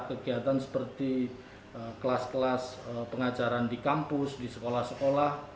kegiatan seperti kelas kelas pengajaran di kampus di sekolah sekolah